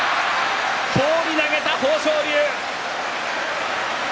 放り投げた豊昇龍。